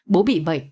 bố bị bệnh